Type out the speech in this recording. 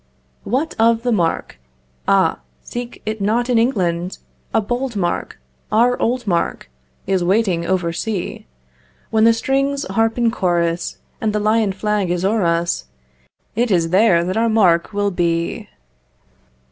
What of the mark? Ah, seek it not in England, A bold mark, our old mark Is waiting over sea. When the strings harp in chorus, And the lion flag is o'er us, It is there that our mark will be.